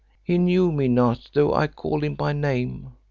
He knew me not, though I called him by name.